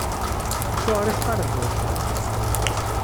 Acuɣer i teqqareḍ: D weltma?